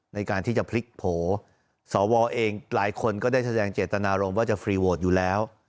ในการที่จะพลิกโผล่สวเองหลายคนก็ได้แสดงเจตนารมณ์ว่าจะฟรีโหวตอยู่แล้ว